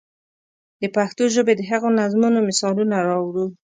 د پښتو ژبې د هغو نظمونو مثالونه راوړو.